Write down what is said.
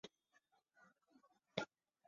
在果阿他又因负债被关押。